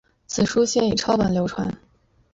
此书先以抄本流传。